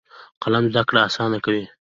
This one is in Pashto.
قلم زده کړه اسانه کوي.